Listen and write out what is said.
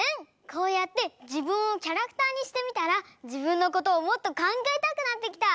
こうやって自分をキャラクターにしてみたら自分のことをもっと考えたくなってきた！